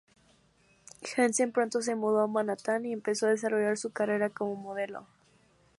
Hansen pronto se mudó a Manhattan y empezó a desarrollar su carrera como modelo.